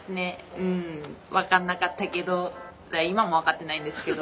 うん分かんなかったけど今も分かってないんですけど。